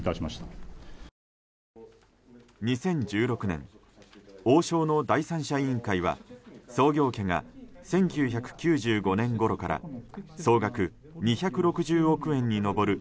２０１６年王将の第三者委員会は創業家が、１９９５年ごろから総額２６０億円に上る